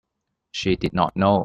She did not know.